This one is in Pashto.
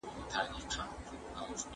په تا مې سترګې هر محفل کې لوړې وينه